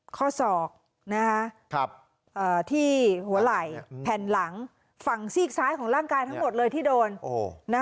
ข้อศอกที่หัวไหล่แผ่นหลังฝั่งซีกซ้ายของร่างกายทั้งหมดเลยที่โดน